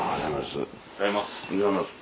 おはようございます。